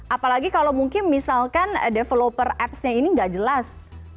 apalagi kalau mungkin misalkan developer apps nya ini tidak jelas